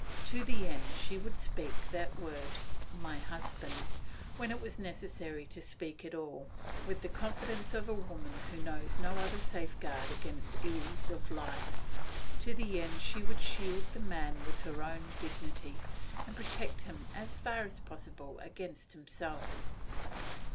To the end she would speak that word 'my husband,' when it was necessary to speak it at all, with the confidence of a woman who knows no other safeguard against the ills of life. To the end she would shield the man with her own dignity, and protect him as far as possible even against himself.